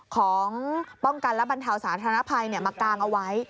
ของป้องกันและบรรเทาสาธารณภัยมากางเอาไว้